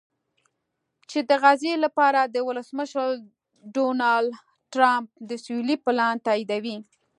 چې د غزې لپاره د ولسمشر ډونالډټرمپ د سولې پلان تاییدوي